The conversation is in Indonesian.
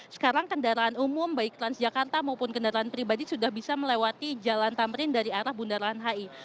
sekarang kendaraan umum baik transjakarta maupun kendaraan pribadi sudah bisa melewati jalan tamrin dari arah bundaran hi